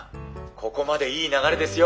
ここまでいい流れですよ。